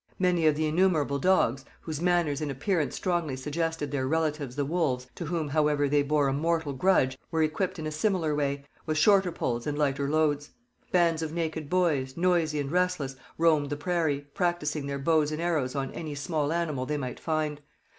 Many of the innumerable dogs whose manners and appearance strongly suggested their relatives the wolves, to whom, however, they bore a mortal grudge were equipped in a similar way, with shorter poles and lighter loads. Bands of naked boys, noisy and restless, roamed the prairie, practising their bows and arrows on any small animal they might find.